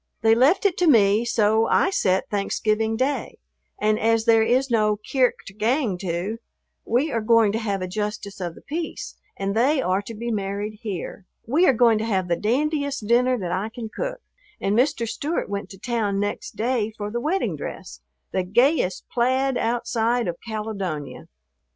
They left it to me, so I set Thanksgiving Day, and as there is no "kirk to gang to," we are going to have a justice of the peace and they are to be married here. We are going to have the dandiest dinner that I can cook, and Mr. Stewart went to town next day for the wedding dress, the gayest plaid outside of Caledonia.